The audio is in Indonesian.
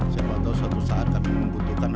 siapa tahu suatu saat kami membutuhkan